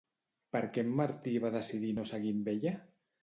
Per què en Martí va decidir no seguir amb ella?